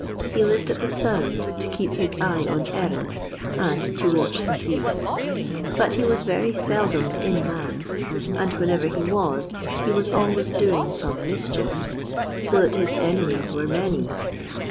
He lived at the Sound to keep his eye on Erinn, and to watch the sea. But he was very seldom in Mann, and wherever he was he was always doing some mischief, so that his enemies were many.